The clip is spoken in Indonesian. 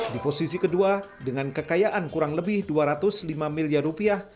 di posisi kedua dengan kekayaan kurang lebih dua ratus lima miliar rupiah